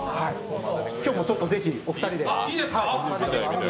今日もぜひお二人で。